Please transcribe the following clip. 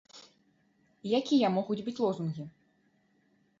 Якія могуць быць лозунгі?